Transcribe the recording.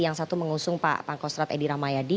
yang satu mengusung pak pangkostrat edi rahmayadi